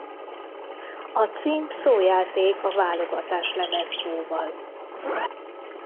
A cím szójáték a válogatáslemez szóval.